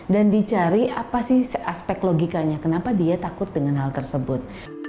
dan dicari apa sih aspek logikanya kenapa dia takut dengan hal tersebut